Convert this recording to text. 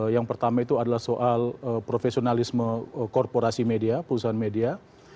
yang pertama itu adalah soal profesionalisme korporasi media perusahaan media